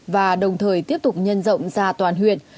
và đồng thời tiếp tục nhân rộng ra toàn huyện